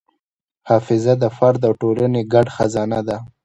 حافظه د فرد او ټولنې ګډ خزانه ده.